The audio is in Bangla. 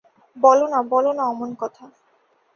বলো না বলো না অমন কথা।